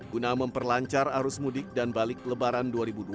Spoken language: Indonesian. guna memperlancar arus mudik dan balik lebaran dua ribu dua puluh